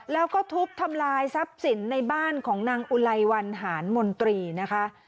แล้วก็ทุบทำลายทรัพย์สินในบ้านของนางอุไลวันหานมนตรีนะคะ